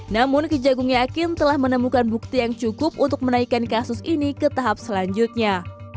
namun kejagung yakin telah menemukan bukti yang cukup untuk menaikkan kasus ini ke tahap selanjutnya